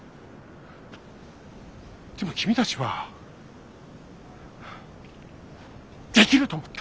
でも君たちは「できる」と思った。